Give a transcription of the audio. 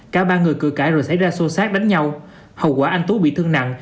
cả ba người cười cãi rồi xảy ra xô xát đánh nhau hậu quả anh tuấn bị thương nặng